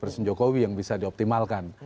presiden jokowi yang bisa dioptimalkan